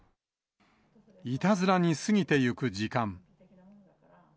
いたずらに過ぎていく時間。